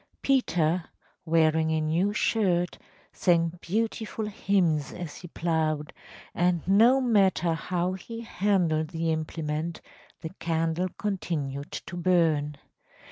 Peter, wearing a new shirt, sang beautiful hymns as he ploughed, and no matter how he handled the implement the candle continued to burn.